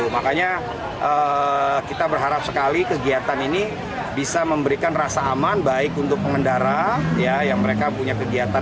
makanya kita berharap sekali kegiatan ini bisa memberikan rasa aman baik untuk pengendara yang mereka punya kegiatan